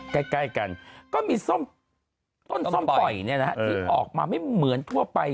ใกล้กันก็มีต้นส้มปล่อยที่ออกมาไม่เหมือนทั่วไป